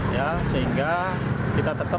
ya sehingga kita tetap